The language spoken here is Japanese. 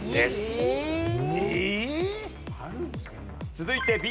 続いてＢ。